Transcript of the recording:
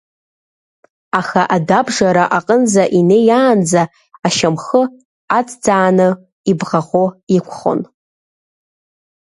Аха адәабжара аҟынӡа инеиаанӡа ашьамхы аҵӡааны ибӷаӷо иқәхон.